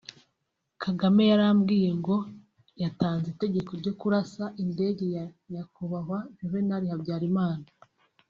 Kagame yarambwiye ngo yatanze itegeko ryo kurasa indege ya Nyakubahwa Juvenal Habyalimana